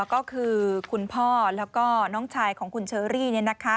ก็คือคุณพ่อแล้วก็น้องชายของคุณเชอรี่